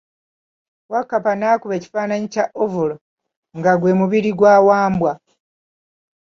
Wakkapa n'akuba ekifaananyi kya ovolo nga gwe mubiri gwa Wambwa.